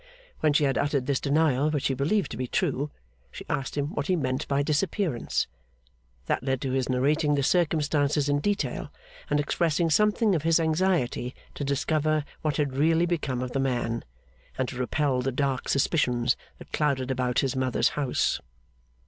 When she had uttered this denial, which he believed to be true, she asked him what he meant by disappearance? That led to his narrating the circumstances in detail, and expressing something of his anxiety to discover what had really become of the man, and to repel the dark suspicions that clouded about his mother's house.